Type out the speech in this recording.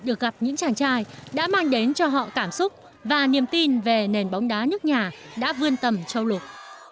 được gặp những chàng trai đã mang đến cho họ cảm xúc và niềm tin về nền bóng đá nước nhà đã vươn tầm châu lục